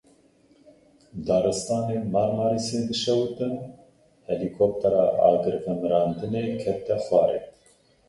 Daristanên Marmarîsê dişewitin, helîkoptera agirvemirandinê kete xwarê.